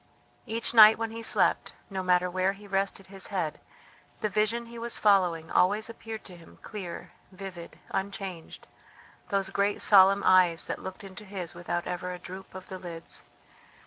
Each night when he slept, no matter where he rested his head, the vision he was following always appeared to him clear, vivid, unchanged those great solemn eyes that looked into his without ever a droop of the lids.